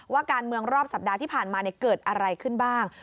ว่าการเมืองรอบสัปดาห์ที่ผ่านมาเกิดอะไรขึ้นบ้าง